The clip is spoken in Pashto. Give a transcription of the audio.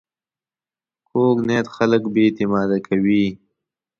کوږ نیت خلک بې اعتماده کوي